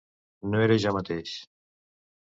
No era jo mateix.